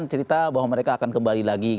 cerita bahwa mereka akan kembali lagi